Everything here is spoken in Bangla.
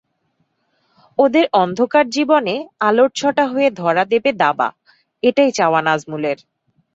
ওদের অন্ধকার জীবনে আলোর ছটা হয়ে ধরা দেবে দাবা—এটাই চাওয়া নাজমুলের।